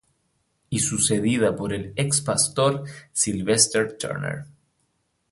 Y sucedida por el ex Pastor Sylvester Turner.